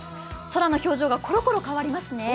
空の表情がコロコロ変わりますね。